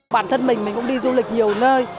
bản thân mình cũng đi du lịch nhiều nơi